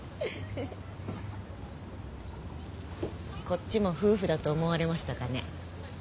こっちも夫婦だと思われましたかね。